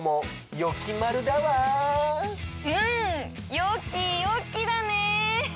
よきよきだね！